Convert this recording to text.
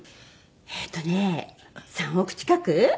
えーっとね３億近く？